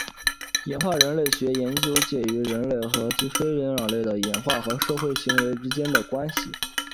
演化人类学研究介于人科及非人灵长类的演化与社会行为之间的关系。